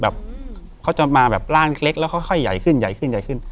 แบบเขาจะมาแบบร่างเล็กแล้วค่อยใหญ่ขึ้นใหญ่ขึ้นใหญ่ขึ้น